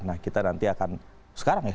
nah kita nanti akan sekarang ya